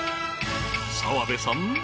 ［澤部さん。